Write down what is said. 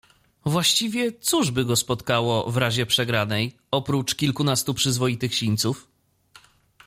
"Właściwie, cóż by go spotkało, w razie przegranej, oprócz kilkunastu przyzwoitych sińców?"